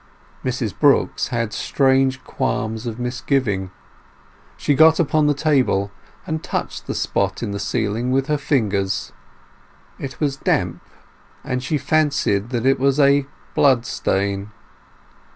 Mrs Brooks had strange qualms of misgiving. She got upon the table, and touched the spot in the ceiling with her fingers. It was damp, and she fancied that it was a blood stain.